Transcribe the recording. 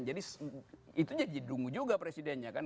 jadi itu jadi dungu juga presidennya kan